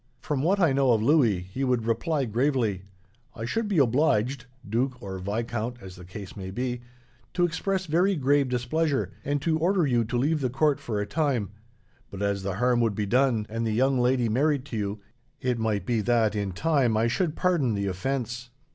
From what I know of Louis, he would reply gravely: 'I should be obliged (duke or viscount, as the case might be) to express very grave displeasure, and to order you to leave the court for a time; but, as the harm would be done, and the young lady married to you, it might be that, in time, I should pardon the offence.'